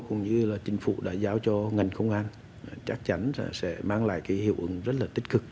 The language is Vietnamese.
cũng như là chính phủ đã giao cho ngành công an chắc chắn sẽ mang lại cái hiệu ứng rất là tích cực